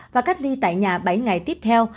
và cách ly tại nhà bảy ngày tiếp theo